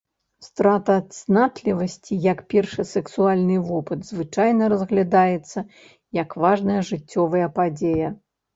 Страта цнатлівасці, як першы сексуальны вопыт, звычайна разглядаецца як важная жыццёвая падзея.